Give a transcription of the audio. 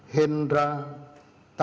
hendra tanjung priuk